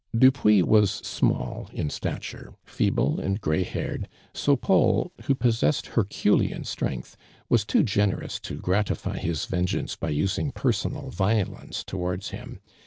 Dupuis was small in stature, feeble and gray haired, so Paul, who possessed her culean strength, was too generous to gratify his vengeance by using personal violence towards him.